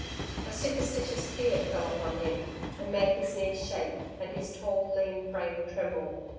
A superstitious fear fell upon him and made his knees shake and his tall, lean frame tremble....